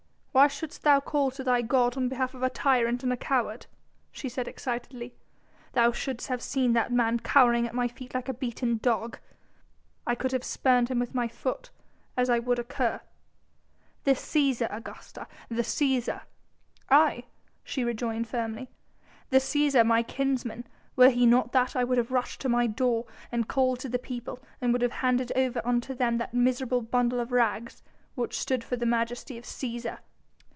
why shouldst thou call to thy god on behalf of a tyrant and a coward," she said excitedly; "thou shouldst have seen that man cowering at my feet like a beaten dog. I could have spurned him with my foot, as I would a cur." "The Cæsar, Augusta, the Cæsar!" "Aye!" she rejoined firmly, "the Cæsar, my kinsman! Were he not that, I would have rushed to my door and called to the people, and would have handed over unto them that miserable bundle of rags which stood for the majesty of Cæsar!"